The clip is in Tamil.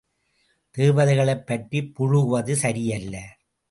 தேவதைகளைப் பற்றிப் புளுகுவது சரியல்ல!